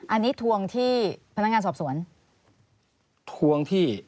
อันนี้ทวงที่พนักงานสอบสวน